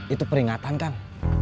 itu peringatan kang